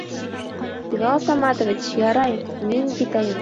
Билал Саматович, ярай мин китәйем.